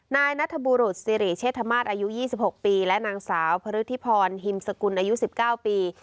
นายนัทบูรุษสิริเชษฐมาสอายุยี่สิบหกปีและนางสาวพฤทธิพรหิมสกุลอายุสิบเก้าปี